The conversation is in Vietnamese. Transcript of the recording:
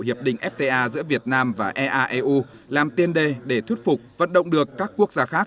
hiệp định fta giữa việt nam và eaeu làm tiên đề để thuyết phục vận động được các quốc gia khác